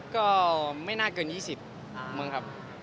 ก็ไม่น่าเกิน๒๐มั้งครับ